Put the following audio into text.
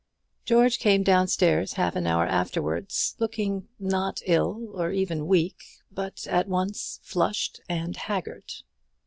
George came down stairs half an hour afterwards, looking, not ill, or even weak; but at once flushed and haggard.